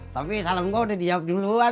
tapi salam gue udah dijawab duluan